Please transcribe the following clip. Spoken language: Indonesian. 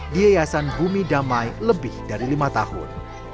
di yayasan bumi damai lebih dari lima tahun